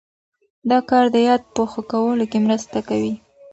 دا کار د یاد په ښه کولو کې مرسته کوي.